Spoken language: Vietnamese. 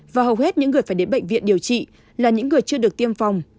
và hầu hết những người phải đến bệnh viện điều trị là những người chưa được tiêm phòng